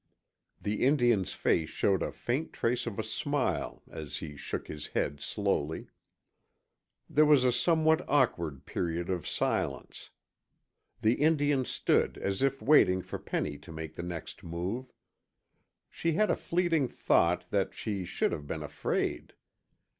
The Indian's face showed a faint trace of a smile, as he shook his head slowly. There was a somewhat awkward period of silence. The Indian stood as if waiting for Penny to make the next move. She had a fleeting thought that she should have been afraid.